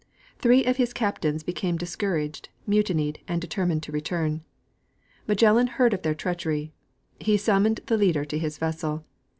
Three of his captains became discouraged, mutinied and determined to return. Magellan heard of their treachery. He summoned the leader to his vessel.